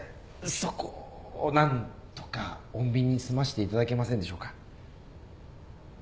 そこを何とか穏便に済ませていただけませんでしょうか。